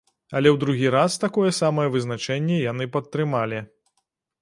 Але ў другі раз такое самае вызначэнне яны падтрымалі.